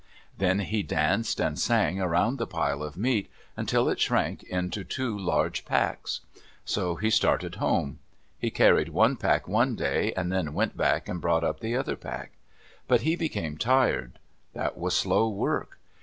Then he danced and sang around the pile of meat, until it shrank into two large packs. So he started home. He carried one pack one day, and then went back and brought up the other pack. But he became tired. That was slow work.